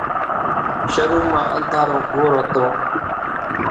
شرو مان انڌارو گھور ھتون